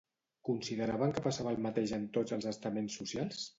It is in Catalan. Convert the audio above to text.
Consideraven que passava el mateix en tots els estaments socials?